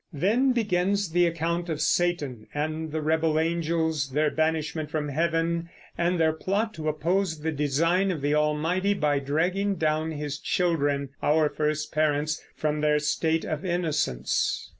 Then begins the account of Satan and the rebel angels, their banishment from heaven, and their plot to oppose the design of the Almighty by dragging down his children, our first parents, from their state of innocence.